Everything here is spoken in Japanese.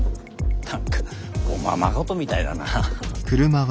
何かおままごとみたいだな。